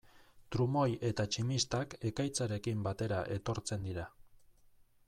Trumoi eta tximistak ekaitzarekin batera etortzen dira.